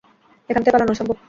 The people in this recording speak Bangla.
এখান থেকে পালানো অসম্ভব।